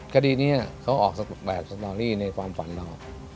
คดีนี้เขาออกแบบสตอรี่ในความฝันเรา